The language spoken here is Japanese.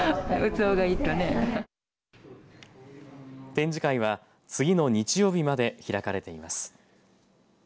展示会は次の日曜日まで開かれています。